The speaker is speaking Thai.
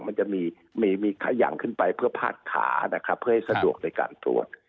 มันจะมีมีขยันขึ้นไปเพื่อพาดขานะครับเพื่อให้สะดวกในการตรวจ